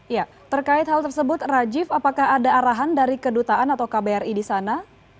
ya terkait hal tersebut rajiv apakah ada arahan dari kedutaan atau kbri di sana